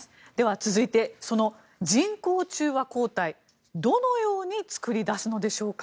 続いて、その人工中和抗体どのように作り出すのでしょうか。